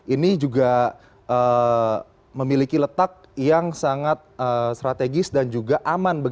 ini juga memiliki letak yang sangat strategis dan juga aman